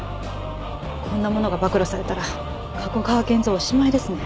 こんなものが暴露されたら加古川源蔵おしまいですね。